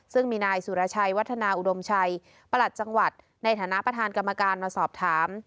ซึ่งมีนายสุรชัยวัฒนาอุดมชัยประหลัดจังหวัดในฐานะประธานกรรมการมาสอบถาม